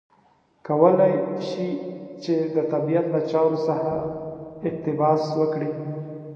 کولای شي چې د طبیعت له چارو څخه اقتباس وکړي.